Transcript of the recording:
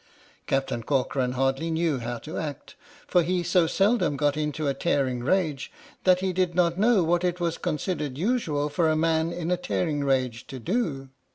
Captain Corcoran hardly knew how to act, for he so seldom got into a tearing rage that he didn't know what it was considered usual for a man in tearing rage to do.